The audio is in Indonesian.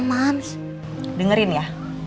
mams dengerin ya